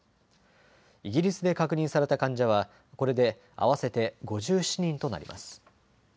イギリスで確認された患者はこれで合わせて５７人となります。